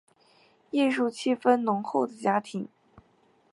艺术气氛浓厚的家庭